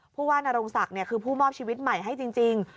ผู้ว่านรงศักดิ์คือผู้มอบชีวิตใหม่ให้จริง